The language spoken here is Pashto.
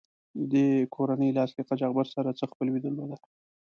دې کورنۍ له اصلي قاچاقبر سره څه خپلوي درلوده.